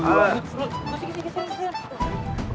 eh dia berdua